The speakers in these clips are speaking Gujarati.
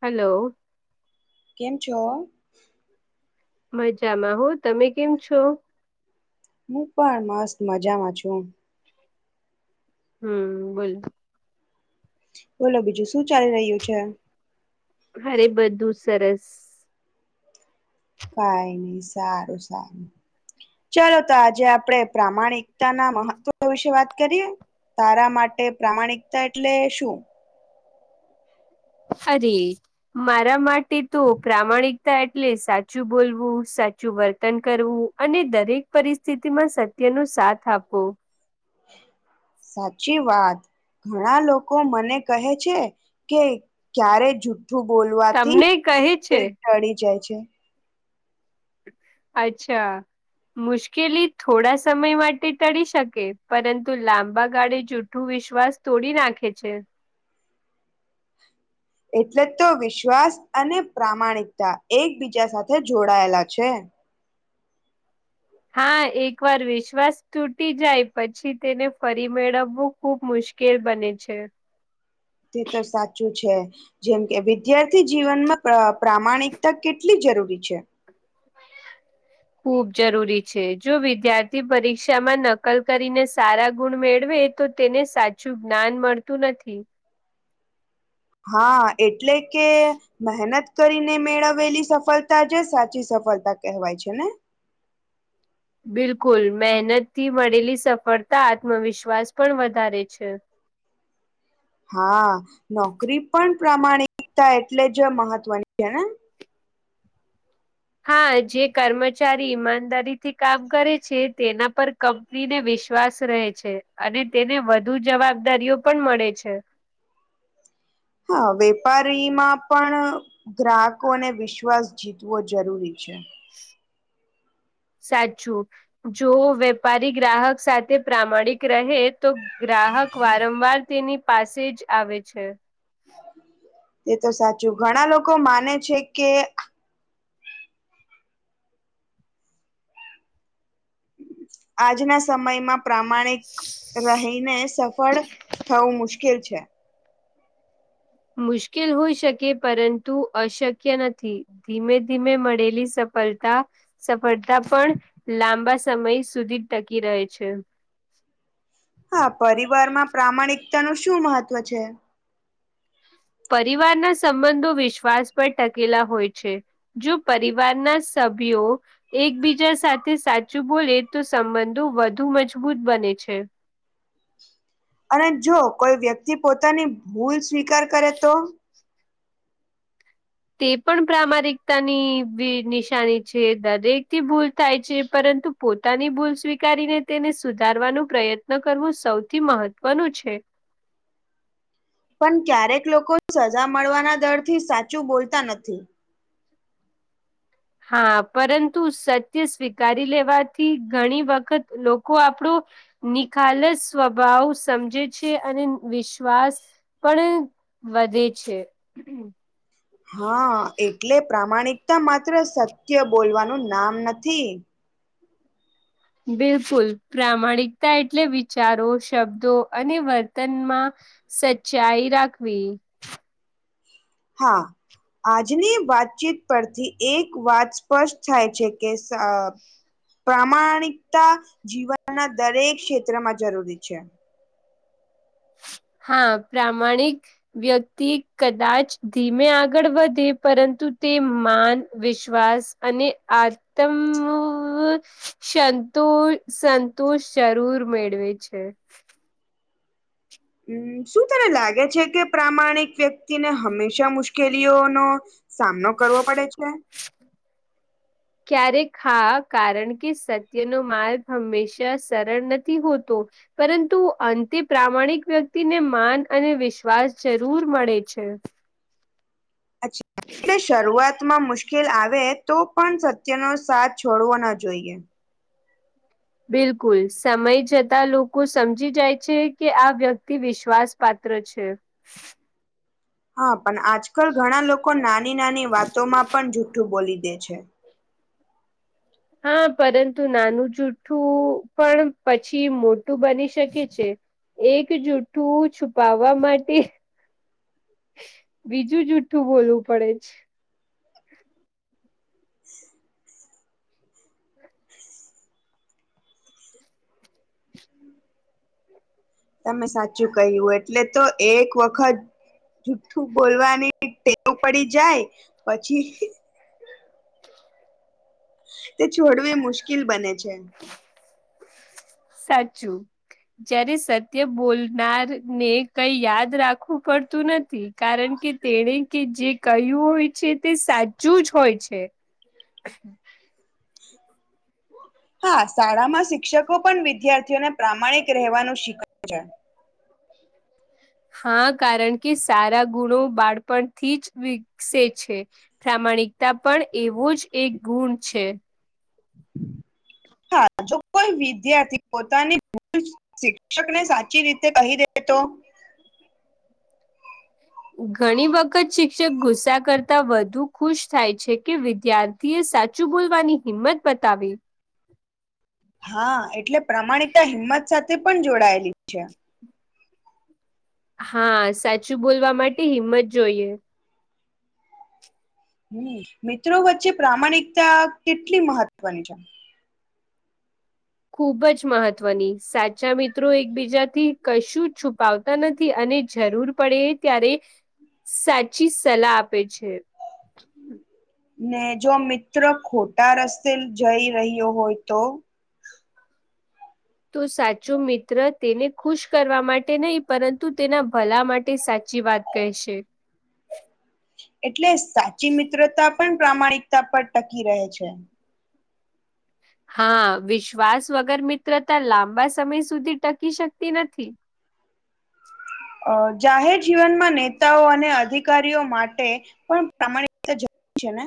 હલો. કેમ છો? મજામાં હો. તમે કેમ છો? હું પણ મસ્ત મજામાં છું. હમ, બોલો. બોલો, બીજું શું ચાલી રહ્યું છે? અરે, બધું સરસ. કંઈ નહીં, સારું સારું. ચાલો, તો આજે આપણેે પ્રામાણિકતાના મહત્વ વિશે વાત કરીએ. તારા માટે પ્રામાણિકતા એટલે શું? હરે. મારા માટે તો પ્રામાણિકતા એટલે સાચું બોલવું સાચું વર્તન કરવું. અને દરેક પરિસ્થિતિ માં સત્યનો સાથ આપો. સાચી વાત. ઘણા લોકો મને કહે છે કે ક્યારે જ. ઠું બોલવાથી તમને કહે છે ચડી જાય છે. અચ્છા. મુશ્કેલી થોડા સમય માટે ટળી શકે, પરંતુ લાંબા ગાળે જો. વિશ્વાસ તોડી નાખે છે. [inaudible] એટલે જ તો વિશ્વાસ અને પ્રામાણિકતા એકબીજા સાથે જોડાયેલા છે. હા, એક વાર વિશ્વાસ તૂટી જાય પછી તેને ફરી મેળવવું ખુબ મુશ્કેલ બને છે. તે તો સાચું છે. જેમ કે, વિદ્યાર્થી જીવનમાં પ્રામાણિકતા કેટલી જરૂરી છે. [inaudible] ખુબ જરૂરી છે. જો વિદ્યાર્થી પરીક્ષામાં નકલ કરીને સારા ગુણ મેળવે. તો તેને સાચું જ્ઞાન મળતું નથી. હા, એટલે કે મહેનત. કરીને મેળવેલી સફળતા જે સાચી સફળતા કહેવાય છે ને. બિલકુલ, મહેનત થી મળેલી સફળતા આત્મવિશ્વાસ પણ વધારે છે. હા, નોકરી પણ પ્રામાણિકતા એટલે જ મહત્વની છે ને. હા, જે કર્મચારી ઈમાનદારીથી કામ કરે છે તેના પર ક સ્ત્રીને વિશ્વાસ રહે છે અને તેને વધુ જવાબદારીઓ પણ મળે છે. હા, વેપારીમાં પણ. ગ્રાહકોને વિશ્વાસ જીતવો જરૂરી છે. સાચું, જો વેપારી ગ્રાહક સાથે પ્રામાણિક રહે તો. ગ્રાહક વારંવાર તેની પાસે જ આવે છે. તે તો સાચું ઘણા લોકો માને છે કે આજના સમયમાં પ્રામાણિક રહીને સફળ થવું મુશ્કેલ છે. મુશ્કેલ હોઈ શકે પરંતુ અશક્ય નથી. ધીમે ધીમે મળેલી સફળતા સફળતા પણ લાંબા સમય સુધી ટકી રહે છે. હા પરિવારમાં પ્રામાણિકતા નું શું મહત્વ છે? પરિવારના સંબંધો વિશ્વાસ પર ટકેલા હોય છે. જો પરિવારના સભ્યો એકબીજા સાથે સાચું બોલે તો સંબંધો વધુ મજબૂત બને છે. અને જો કોઈ વ્યક્તિ પોતાની ભૂલ સ્વીકાર કરે તો? તે પણ પ્રામાણિકતાની નિશાની છે દરેક થી ભૂલ થાય છે પરંતુ પોતાની ભૂલ સ્વીકારીને તેને સુધારવાનું પ્રયત્ન કરવું સૌથી મહત્વનું છે. પણ ક્યારેક લોકો સજા મળવાના દર થી સાચું બોલતા નથી. હા પરંતુ સત્ય સ્વીકારી લેવાથી ઘણી વખત લોકો આપણો નિખાલસ સ્વભાવ સમજે છે અને વિશ્વાસ પણ વધે છે. હા એટલે પ્રામાણિકતા માત્ર સત્ય બોલવાનું નામ નથી. બિલકુલ પ્રામાણિકતા એટલે વિચારો શબ્દો અને વર્તનમાં સચ્ચાઈ રાખવી. હા. આજની વાતચીત પરથી એક વાત સ્પષ્ટ થાય છે કે અ પ્રામાણિકતા જીવનના દરેક ક્ષેત્રમાં જરૂરી છે. હા પ્રમાણિક વ્યક્તિ કદાચ ધીમે આગળ વધે પરંતુ તે માન, વિશ્વાસ અને આતમ સંતુ સંતુંષ જરૂર મેળવે છે. હમ શું તને લાગે છે કે પ્રામાણિક વ્યક્તિને હંમેશા મુશ્કેલીઓનો સામનો કરવો પડે છે? ક્યારેક હા. કારણ કે સત્યનો માર્ગ હંમેશા સરળ નથી હોતો. પરંતુ અંતે પ્રામાણિક વ્યક્તિને માન અને વિશ્વાસ જરૂર મળે છે. અચ્છા એટલે શરૂઆત માં મુશ્કેલ આવે, તો પણ સત્યનો સાથ છોડવો ન જોઈએ. બિલકુલ સમય જતા લોકો સમજી જાય છે, કે આ વ્યક્તિ વિશ્વાસ પાત્ર છે. હા પણ આજકાલ ઘણા લોકો નાની- નાની વાતોમાં પણ જુઠું બોલી દે છે. હા પરંતુ નાનું જુઠું પણ પછી મોટું બની શકે છે. એક જૂઠ્ઠ છુપાવવા માટે બીજું જુઠું બોલવું પડે છે. તમે સાચું કહ્યું એટલે તો એક વખત જુઠું બોલવાની ટેવ પડી જાય પછી તે છોડવી મુશ્કેલ બને છે. સાચું. જયારે સત્ય બોલનાર ને કઈ યાદ રાખવું પડતું નથી. કારણ કે તેને કે જે કયું હોય છે તે સાચું જ હોય છે. [inaudible] હા. શાળામાં શિક્ષકો પણ વિદ્યાર્થીઓને પ્રામાણિક રહેેવાનું શીખવે છે. હા કારણ કે સારા ગુણો બાળપણથી જ વિકસે છે. પ્રામાણિકતા પણ એવો જ એક ગુણ છે. હા જો કોઈ વિદ્યાર્થી પોતાની ભૂ શિક્ષક ને સાચી રીતે કહી દે તો? ઘણી વખત શિક્ષક ગુસ્સા કરતા વધુ ખુશ થાય છે, કે વિદ્યાર થીએ સાચું બોલવાની હિંમત બતાવી. હા એટલે પ્રમાણતા હિંમત સાથે પણ જોડાયેલી જ છે. હા સાચું બોલવા માટે હિંમત જોઈએ. હમ મિત્રો વચ્ચે પ્રામાણિકતા કેટલી મહત્વની છે. ખુબ જ મહત્વની સાચા મિત્રો એકબીજાથી કશું છુપાવતા નથી અને જરૂર પડે ત્યારે સાચી સલાહ આપે છે. ને જો મિત્ર ખોટા રસ્તે જઈ રહ્યો હોય તો? તો સાચો મિત્ર તેને ખુશ કરવા માટે નહી પરંતુ તેના ભલા માટે સાચી વાત કય છે. એટલે સાચી મિત્રતા પણ પ્રામાણિકતા પર ટકી રહે છે. હા વિશ્વાસ વગર મિત્રતા લાંબા સમય સુધી ટકી શકતી નથી. અ જાહેર જીવનમાં નેતાઓ અને આધિક ધિકારીઓ માટે પણ પ્રમાણિક [unintelligible] જરૂ છે ને?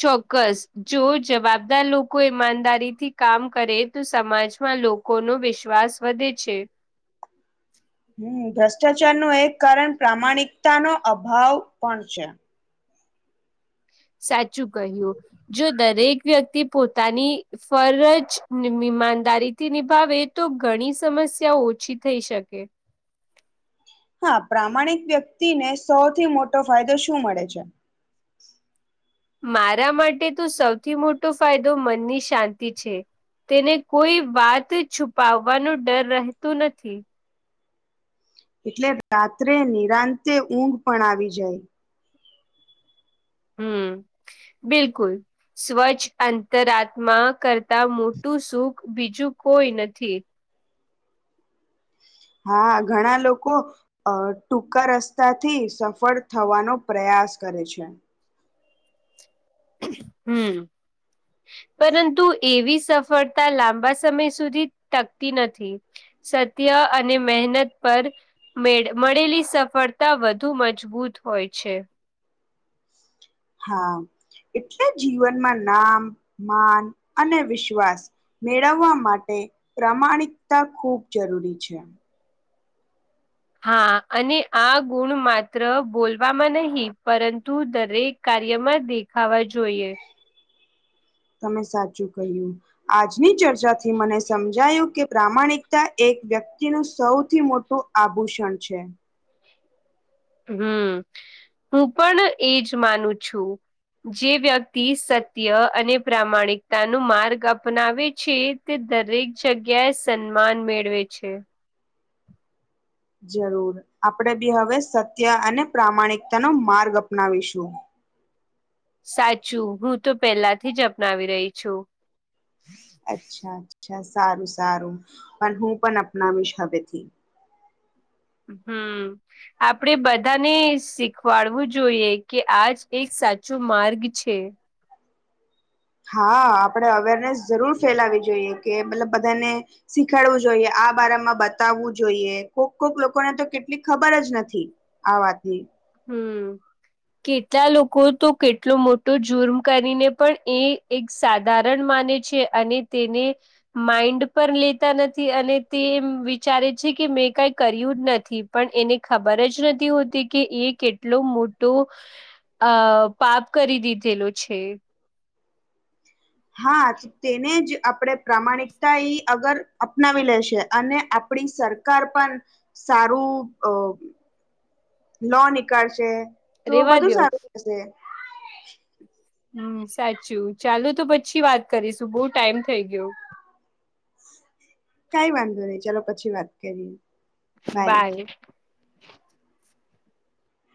ચોક્કસ જો જવાબદાર લોકો ઈમાનદારીથી કામ કરે તો સમાજમાં લોકો નો વિશ્વાસ વધે છે. હમ ભ્રષ્ટાચાર નું એક કારણ પ્રામાણિકતા નો અભાવ પણ છે. સાચું કહ્યું જો દરેક વ્યક્તિ પોતાની ફરજ ઈમાનદારીથી નિભાવે તો ઘણી સમસ્યા ઓછી થઈ શકે. હા પ્રામાણિક વ્યક્તિને સૌથી મોટો ફાયદો શું મળે છે. મારા માટે તો સૌથી મોટો ફાયદો મનની શાંતિ છે. તેને કોઈ વાત છુપાવવાનો ડર રહેતું નથી. એટલે રાત્રે નિરાંતે ઊંઘ પણ આવી જાય. હમ બિલકુલ સ્વચ્છ અંતરાત્મા કરતા મોટું સુખ બીજું કોઈ નથી. હા ઘણા લોકો અ ટૂંકા રસ્તા થી સફળ થવાનો પ્રયાસ કરે છે. હમ પરંતુ એવી સફળતા લાંબા સમય સુધી ટકતી નથી. સત્ય અને મહેનત પર મેળ મળેલી સફળતા વધુ મજબૂત હોય છે. હા એટલે જીવનમાં નામ માન અને વિશ્વાસ મેળવવા માટે પ્રામાણિકતા ખૂબ જરૂરી છે. હા અને આ ગુણ માત્ર બોલવામાં નહી પરંતુ દરેક કાર્યમાં દેખાવા જોઈએ. તમે સાચું કહ્યું. આજની ચર્ચાથી મને સમજાયું કે પ્રામાણિકતા એક વ્યક્તિનું સૌથી મોટું આભૂષણ છે. હમ હું પણ એજ માનું છું. જે વ્યક્તિ સત્ય અને પ્રામાણિકતા ન માર્ગ અપનાવે છે. તે દરેક જગ્યાએ સન્માન મેળવે છે. જરૂર આપણેે બી હવે સત્ય અને પ્રામાણિકતા નો માર્ગ અપનાવીશું. સાચું હું તો પેલાથી જ અપનાવી રહી છું. અચ્છા અચ્છા સારું સારું પણ હું પણ અપનાવીશ હવેથી હમ આપણેે બધાને શીખવાડવું જોઈએ કે આજ એક સાચું માર્ગ છે. હા આપણેે અવેરનેસ જરૂર ફેલાવી જોઈએ કે મતલબ બધાને શીખાડવું જોઈએ આ બારમાં બતાવવું જોઈએ કોક કોક લોકોને તો કેટલી ખબર જ નથી. આવાત ની હમ કેટલા લોકો તો કેટલો મોટો જુર્મ કરીને પણ એ એક સાધારણ માને છે અને તેને માઈન્ડ પણ લેતા નથી અને તે એ વિચારે છે કે મેં કઈ કર્યું જ નથી. પણ એને ખબર જ નથી હોતી કે એક કેટલો મોટો અ પાપ કરી દીધેલો છે. હા જ તેને જ આપણે પ્રામાણિકતા એ અગર અપનાવી લેશે અને આપણી સર. સરકાર પણ સારું અ લો નીકાળશે. તો રેવા બધું દો સારું થશે. હમ સાચું ચાલુ તો પછી વાત કરીશું બહુ ટાઈમ થઈ ગયો. કાઈ વાંધો નહી ચાલો પછી વાત કરીએ. બાય